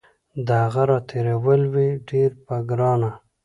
د هغه راتېرول وي ډیر په ګرانه